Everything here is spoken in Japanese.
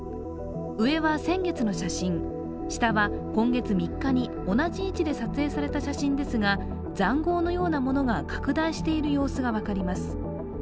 上は先月の写真、下は今月３日に同じ位置で撮影された写真ですが、ざんごうのようなものが拡大している様子が分かります。